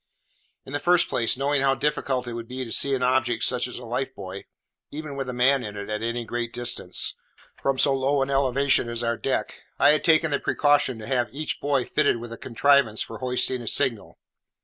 In the first place, knowing how difficult it would be to see such an object as a life buoy, even with a man in it, at any great distance, from so low an elevation as our deck, I had taken the precaution to have each buoy fitted with a contrivance for hoisting a signal.